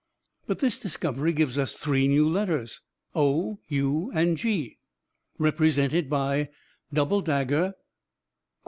But this discovery gives us three new letters, o, u, and g, represented by [double dagger], ?